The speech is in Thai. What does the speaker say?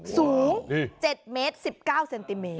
สูง๗เมตร๑๙เซนติเมต